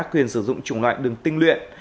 quyền sử dụng chủng loại đường tinh luyện